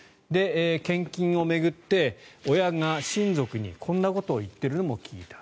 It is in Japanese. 献金を巡って親が親族にこんなことを言っているのを聞いた。